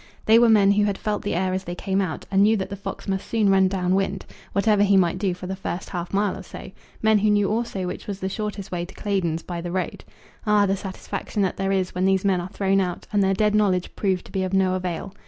They were men who had felt the air as they came out, and knew that the fox must soon run down wind, whatever he might do for the first half mile or so, men who knew also which was the shortest way to Claydon's by the road. Ah, the satisfaction that there is when these men are thrown out, and their dead knowledge proved to be of no avail!